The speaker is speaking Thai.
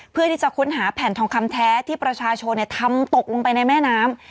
เพื่อที่จะค้นหาแผ่นทองคำแท้ที่ประชาชนทำตกลงไปในแม่น้ำ